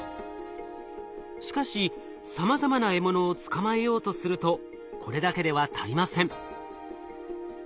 しかしさまざまな獲物を捕まえようとするとこれだけでは足りません。